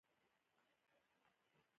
ایا ستاسو غوسه کنټرول نه ده؟